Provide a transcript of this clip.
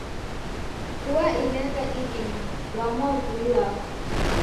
Vua inyagha idime, dwaa mwavuli wako.